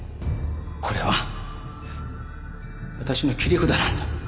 これは私の切り札なんだ。